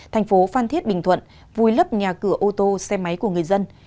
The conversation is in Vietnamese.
thành phố phan thiết bình thuận vùi lấp nhà cửa ô tô xe máy của người dân